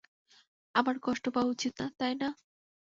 আমার কষ্ট পাওয়া উচিত না, তাই না?